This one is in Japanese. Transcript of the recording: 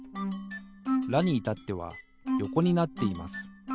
「ラ」にいたってはよこになっています。